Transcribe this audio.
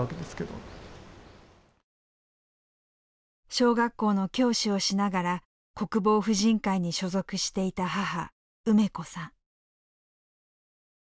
小学校の教師をしながら国防婦人会に所属していた母梅子さん。